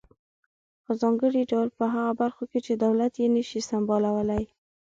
په ځانګړي ډول په هغه برخو کې چې دولت یې نشي سمبالولای.